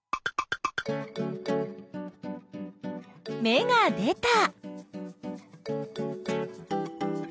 芽が出た！